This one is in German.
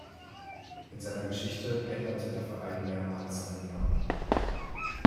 In seiner Geschichte änderte der Verein mehrmals seinen Namen.